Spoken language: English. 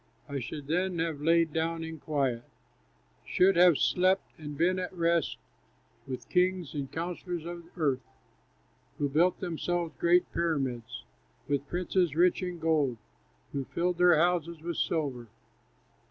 I should then have lain down in quiet, Should have slept and been at rest With kings and counsellors of earth, Who built themselves great pyramids; With princes rich in gold, Who filled their houses with silver.